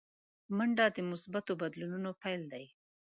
منډه د مثبتو بدلونونو پیل دی